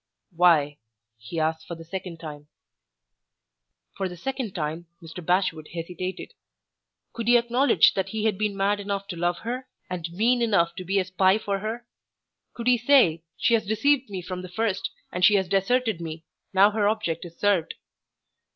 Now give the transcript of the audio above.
"Why?" he asked for the second time. For the second time Mr. Bashwood hesitated. Could he acknowledge that he had been mad enough to love her, and mean enough to be a spy for her? Could he say, She has deceived me from the first, and she has deserted me, now her object is served.